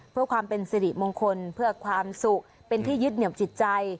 เพื่อความเป็นสิริมงคลเพื่อความสุขเป็นที่ยึดเหนียวจิตใจ